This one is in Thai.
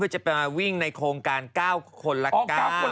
เพื่อจะไปมาวิ่งในโครงการเก้าคนละเก้า